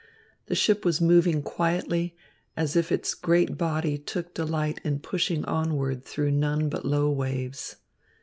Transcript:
The ship was moving quietly, as if its great body took delight in pushing onward through none but low waves.